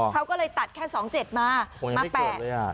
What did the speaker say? เขาก็เลยตัดแค่๒๗มามาแปะคงยังไม่เกิดเลยอ่ะ